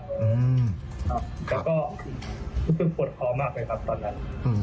แต่ก็รู้สึกปวดคอมากเลยครับตอนนั้น